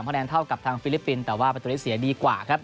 แนนเท่ากับทางฟิลิปปินส์แต่ว่าประตูได้เสียดีกว่าครับ